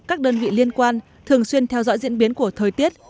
các đơn vị liên quan thường xuyên theo dõi diễn biến của thời tiết